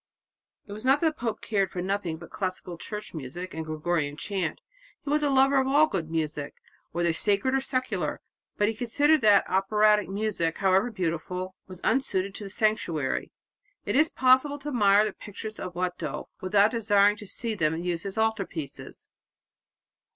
It was not that the pope cared for nothing but classical church music and Gregorian chant. He was a lover of all good music, whether sacred or secular. But he considered that operatic music, however beautiful, was unsuited to the sanctuary. It is possible to admire the pictures of Watteau, without desiring to see them used as altar pieces.